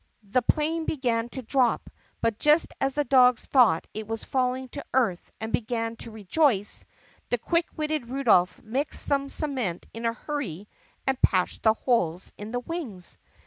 The 'plane began to drop, but just as the dogs thought it was falling to earth and began to rejoice, the quick witted Rudolph mixed some cement in a hurry and patched the holes in the wings.